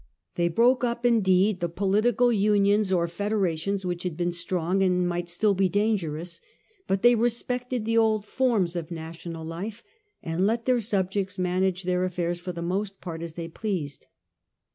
They broke up, indeed, the poli tical unions or federations which had been strong and might still be dangerous, but they respected the old forms of national life, and let their subjects manage their affairs for the most part as they pleased.